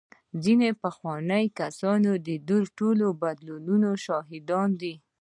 ځینې پخواني کسان د دې ټولو بدلونونو شاهدان دي.